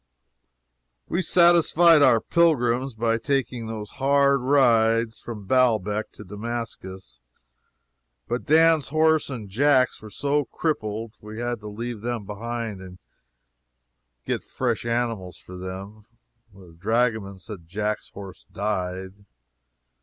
We satisfied our pilgrims by making those hard rides from Baalbec to Damascus, but Dan's horse and Jack's were so crippled we had to leave them behind and get fresh animals for them. The dragoman says Jack's horse died.